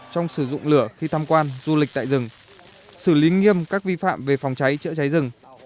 trong sử dụng lửa khi tham quan du lịch tại rừng xử lý nghiêm các vi phạm về phòng cháy chữa cháy rừng